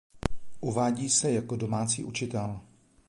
Uvádí se jako domácí učitel.